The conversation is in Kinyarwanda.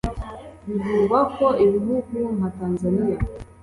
Bivugwa ko ibihugu nka Tanzaniya